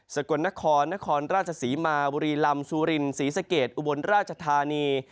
กลนครนครราชศรีมาบุรีลำซูรินศรีสะเกดอุบลราชธานี